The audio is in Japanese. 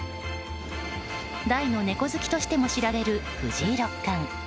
大の猫好きとしても知られる藤井六冠。